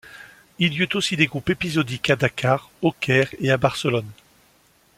Il y eut aussi des groupes épisodiques à Dakar, au Caire et à Barcelone.